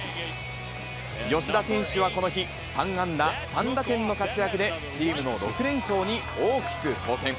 吉田選手はこの日、３安打３打点の活躍で、チームの６連勝に大きく貢献。